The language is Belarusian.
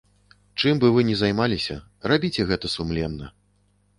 Чым бы вы ні займаліся, рабіце гэта сумленна.